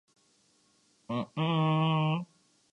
وہ ایک نرم دل جج ہے جو نرم سزایئں دیتا `ہے